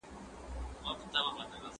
تاسو بايد د تاريخ له تېروتنو درس واخلئ.